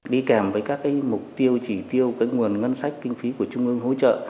đi kèm với các mục tiêu chỉ tiêu nguồn ngân sách kinh phí của trung ương hỗ trợ